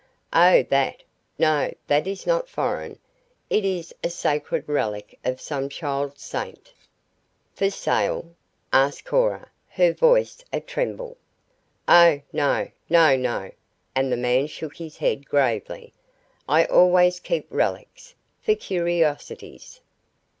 "Oh, that! No, that is not foreign. It is a sacred relic of some child saint." "For sale?" asked Cora, her voice a tremble. "Oh, no! No! No!" and the man shook his head gravely. "I always keep relics for curiosities."